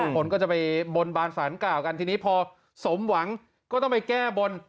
คนก็จะไปบนบานสารกล่าวกันทีนี้พอสมหวังก็ต้องไปแก้บน